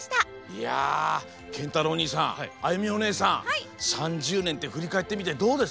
いやけんたろうおにいさんあゆみおねえさん３０ねんってふりかえってみてどうですか？